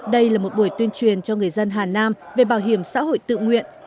đây là một buổi tuyên truyền cho người dân hà nam về bảo hiểm xã hội tự nguyện